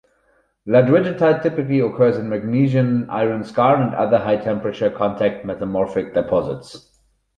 Ludwigite typically occurs in magnesian iron skarn and other high temperature contact metamorphic deposits.